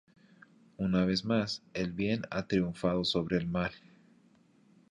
Una vez más, el bien ha triunfado sobre el mal.